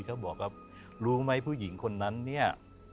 เขาบอกว่ารู้ไหมผู้หญิงคนนั้นเนี่ย